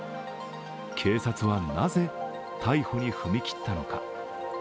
警察はなぜ逮捕に踏み切ったのか。